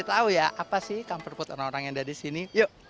kita tahu ya apa sih comper food orang orang yang ada di sini yuk